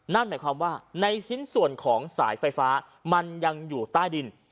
นั่นหมายความว่าในชิ้นส่วนของสายไฟฟ้ามันยังอยู่ใต้ดิน